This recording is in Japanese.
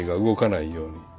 動かないように。